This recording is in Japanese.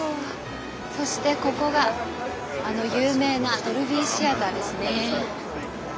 そしてここがあの有名なドルビーシアターですね。